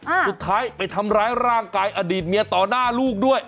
สุดท้ายไปทำร้ายร่างกายอดีตเมียต่อหน้าลูกด้วย